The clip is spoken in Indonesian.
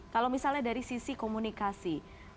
kalau misalnya dari sisi komunikasi